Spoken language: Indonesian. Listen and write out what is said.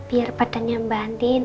biar badannya mbak andin